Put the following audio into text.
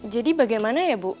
jadi bagaimana ya bu